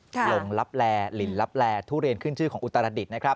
หลงลับแลหลินลับแลทุเรนขึ้นชื่อของอุตรดิต